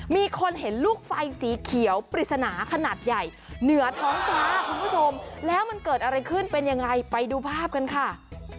มีคนเห็นลูกไฟสีเขียวปริศนาขนาดใหญ่เหนือท้องฟ้าคุณผู้ชมแล้วมันเกิดอะไรขึ้นเป็นยังไงไปดูภาพกันค่ะ